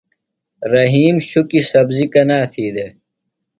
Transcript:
رحیم شُکیۡ سبزیۡ کنا تھی دےۡ ؟